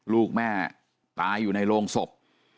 ลูกแม่ตายอยู่ในโรงศพ